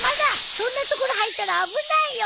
そんな所入ったら危ないよ！